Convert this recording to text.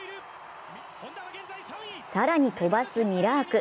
更に飛ばすミラーク。